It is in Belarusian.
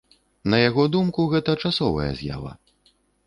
На яго думку, гэта часовая з'ява.